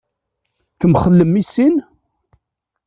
Temxellem i sin?